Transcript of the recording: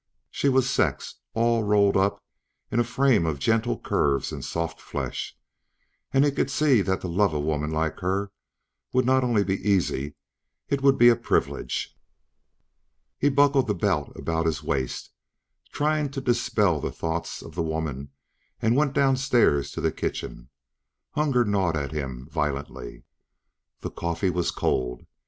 She was sex all rolled up in a frame of gentle curves and soft flesh, and he could see that to love a woman like her would not only be easy, it would be a privilege. He buckled the belt about his waist, trying to dispel the thoughts of the woman, and went downstairs to the kitchen. Hunger gnawed at him violently. The coffee was cold.